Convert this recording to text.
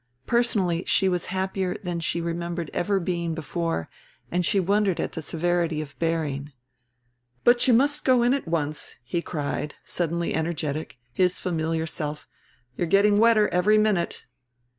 Personally she was happier than she remembered ever being before and she wondered at his severity of bearing. "But you must go in at once," he cried, suddenly energetic, his familiar self; "you are getting wetter every minute."